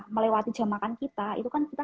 melewati jam makan kita itu kan kita